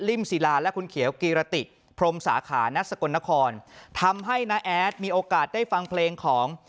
ศิลาและคุณเขียวกีรติพรมสาขานักสกลนครทำให้น้าแอดมีโอกาสได้ฟังเพลงของ